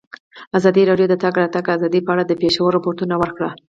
ازادي راډیو د د تګ راتګ ازادي په اړه د پېښو رپوټونه ورکړي.